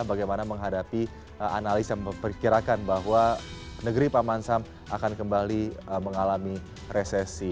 bagaimana menghadapi analis yang memperkirakan bahwa negeri paman sam akan kembali mengalami resesi